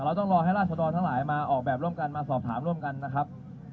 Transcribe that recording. ต้องรอให้ราชดรทั้งหลายมาออกแบบร่วมกันมาสอบถามร่วมกันนะครับ